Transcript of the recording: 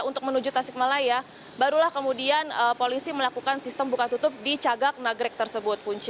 untuk menuju tasikmalaya barulah kemudian polisi melakukan sistem buka tutup di cagak nagrek tersebut punca